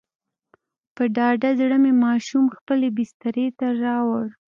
په ډاډه زړه مې ماشوم خپلې بسترې ته راووړ.